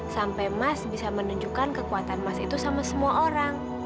sampai mas bisa menunjukkan kekuatan emas itu sama semua orang